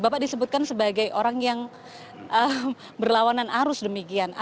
bapak disebutkan sebagai orang yang berlawanan arus demikian